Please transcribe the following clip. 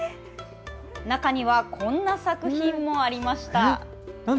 中にはこんな作品もありました。